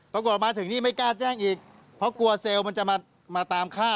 ปรากฏมาถึงนี่ไม่กล้าแจ้งอีกเพราะกลัวเซลล์มันจะมาตามฆ่า